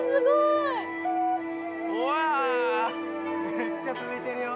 めっちゃ続いてるよ。